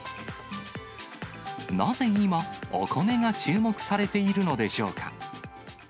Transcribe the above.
なぜ今、お米が注目されているのでしょうか。